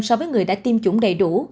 so với người đã tiêm chủng đầy đủ